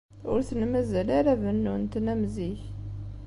Ur ten-mazal ara bennun-ten am zik.